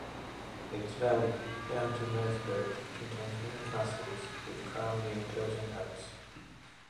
Its valley, down to Merseburg, contains many castles which crown the enclosing heights.